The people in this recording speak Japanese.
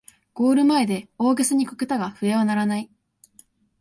ゴール前で大げさにこけたが笛は鳴らない